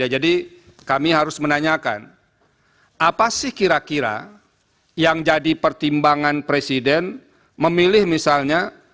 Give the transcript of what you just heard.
jadi kami harus menanyakan apa sih kira kira yang jadi pertimbangan presiden memilih misalnya